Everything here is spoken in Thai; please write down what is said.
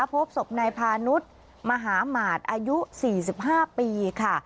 พบศพนายพานุษย์มหาหมาดอายุ๔๕ปีค่ะ